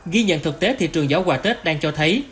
ghi nhận thực tế thị trường giỏ quà tết đang cho thấy